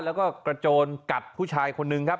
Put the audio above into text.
แล้วก็กระโจนกัดผู้ชายคนนึงครับ